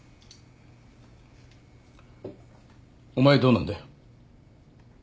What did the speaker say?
お前どうなんだよ。